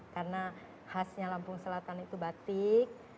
karena khasnya lampung selatan itu batik